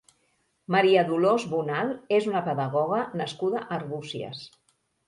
Maria Dolors Bonal és una pedagoga nascuda a Arbúcies.